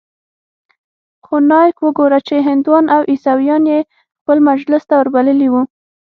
خو نايک وګوره چې هندوان او عيسويان يې خپل مجلس ته وربللي وو.